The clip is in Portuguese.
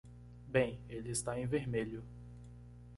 Bem, ele está em vermelho.